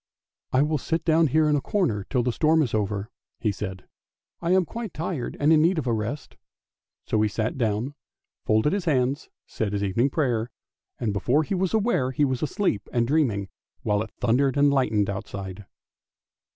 " I will sit down here in a corner till the storm is over," he said; " I am quite tired and in need of a rest! " so he sat down, folded his hand, and said his evening prayer; and before he was aware he was asleep and dreaming, while it thundered and lightened outside.